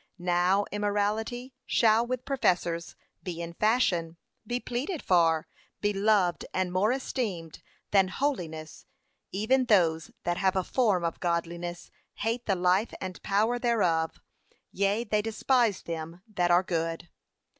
Now immorality shall, with professors, be in fashion, be pleaded for, be loved and more esteemed than holiness; even those that have a form of godliness, hate the life and power thereof, yea, they despise them that are good.'